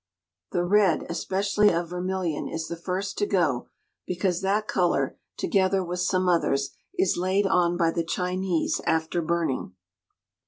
The red, especially of vermilion, is the first to go, because that colour, together with some others, is laid on by the Chinese after burning.